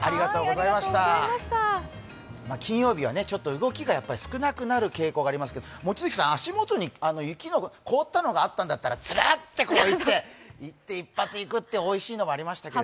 金曜日はちょっと動きが少なくなる傾向がありますが、望月さん、足もとに雪が凍ったのがあるんだったらツルッと一発いくっていう、おいしいのがありましたけど。